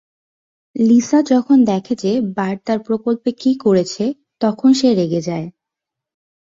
Lisa যখন দেখে যে, বার্ট তার প্রকল্পে কী করেছে, তখন সে রেগে যায়।